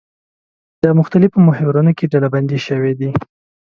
د مختلفو محورونو کې ډلبندي شوي دي.